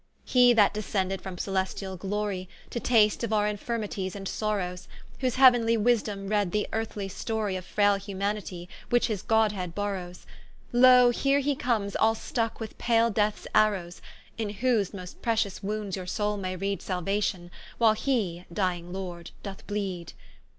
He that descended from celestiall glory, To taste of our infirmities and sorrowes, Whose heauenly wisdom read the earthly storie Of fraile Humanity, which his godhead borrows[;] Loe here he coms all stuck with pale deaths arrows: In whose most pretious wounds your soule may reade Saluation, while he (dying Lord) doth bleed.